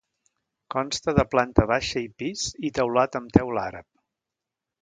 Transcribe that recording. Consta de planta baixa i pis i teulat amb teula àrab.